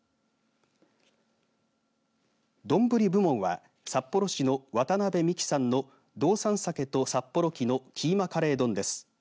どんぶり部門は札幌市の渡邉美樹さんの道産鮭と札幌黄のキーマカレー丼！です。